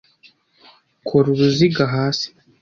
Kora uruziga hasi.